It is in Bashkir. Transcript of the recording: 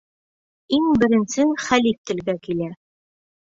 Иң беренсе хәлиф телгә килә.